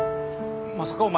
まさかお前